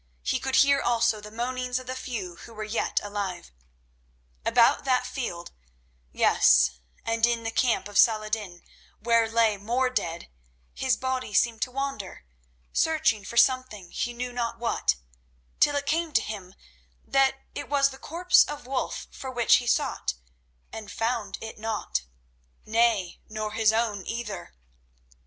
He could hear also the moanings of the few who were yet alive. About that field—yes, and in the camp of Saladin, where lay more dead—his body seemed to wander searching for something, he knew not what, till it came to him that it was the corpse of Wulf for which he sought and found it not—nay, nor his own either.